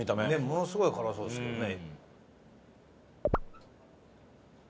ものすごい辛そうですけどね。